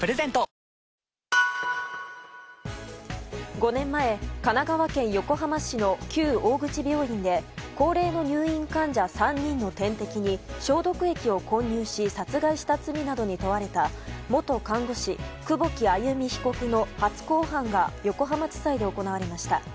５年前、神奈川県横浜市の旧大口病院で高齢の入院患者３人の点滴に消毒液を混入し殺害した罪などに問われた元看護師久保木愛弓被告の初公判が横浜地裁で行われました。